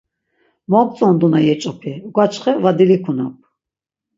Moǩtzonduna yeç̆opi, uǩvaçxe va dilikunap.